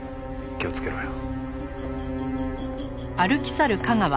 気をつけろよ。